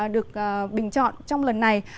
được bình chọn trong lần này